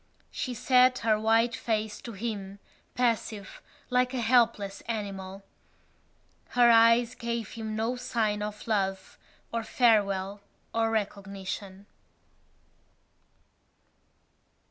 She set her white face to him, passive, like a helpless animal. Her eyes gave him no sign of love or farewell or recognition.